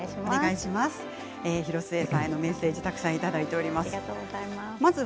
広末さんへのメッセージたくさんいただいています。